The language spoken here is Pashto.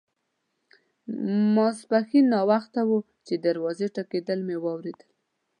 ماپښین ناوخته وو چې د دروازې ټکېدل مې واوریدل.